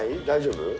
大丈夫？